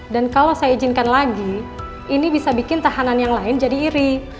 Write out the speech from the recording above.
dan kalau saya izinkan lagi ini bisa bikin tahanan yang lain jadi iri